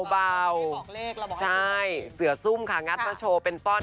ส่วนจะทุกขั้นข้นต้องโชว์กัน